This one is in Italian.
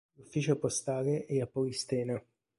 L'ufficio postale è a Polistena.